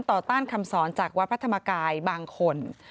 ต้านคำสอนจากวัดพระธรรมกายบางคน